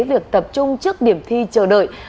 việc tập trung trước điểm thi chờ đợi